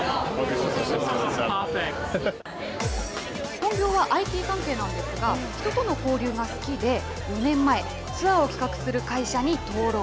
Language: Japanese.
本業はＩＴ関係なんですが、人との交流が好きで、４年前、ツアーを企画する会社に登録。